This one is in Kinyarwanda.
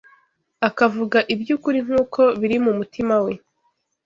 akavuga iby’ukuri nk’uko biri mu mutima we